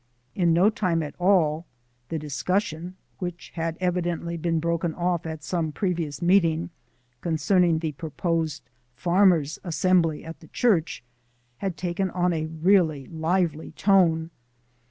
In no time at all the discussion, which had evidently been broken off at some previous meeting, concerning the proposed farmers' assembly at the church, had taken on a really lively tone.